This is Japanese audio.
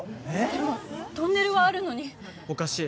でもトンネルはあるのにおかしい